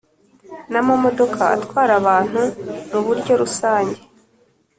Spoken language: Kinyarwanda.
Namamodoka atwara abantu muburyo rusange